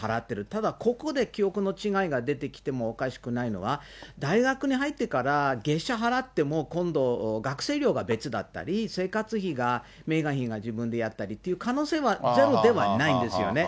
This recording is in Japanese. ただここで記憶の違いが出てきてもおかしくないのは、大学に入ってから月謝払っても、今度、学生寮が別だったり、生活費がメーガン妃が自分でやったりという可能性はゼロではないんですよね。